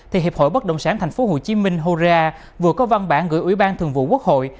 hiệp hội bất động sản tp hcm vừa có văn bản gửi ủy ban thường vụ quốc hội